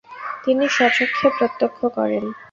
তিনি স্বচক্ষে প্রত্যক্ষ করেন ।